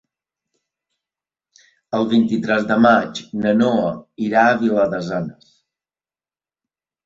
El vint-i-tres de maig na Noa irà a Viladasens.